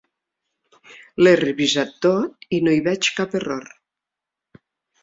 L'he revisat tot i no hi veig cap error.